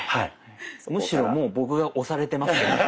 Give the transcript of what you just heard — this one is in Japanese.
むしろもう僕が押されてます。